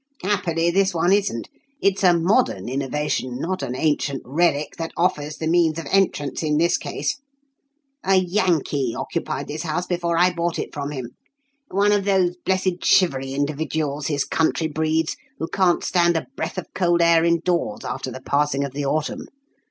"Happily, this one isn't. It's a modern innovation, not an ancient relic, that offers the means of entrance in this case. A Yankee occupied this house before I bought it from him one of those blessed shivery individuals his country breeds, who can't stand a breath of cold air indoors after the passing of the autumn.